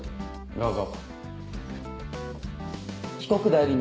どうぞ。